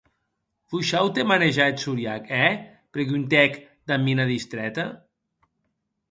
Vos shaute manejar eth soriac, è?, preguntèc damb mina distrèta.